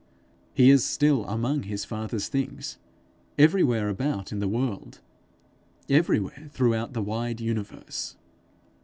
He is still among his father's things, everywhere about in the world, everywhere throughout the wide universe.